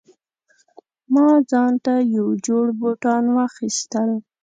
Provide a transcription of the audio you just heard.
ما ځانته یو جوړ بوټان واخیستل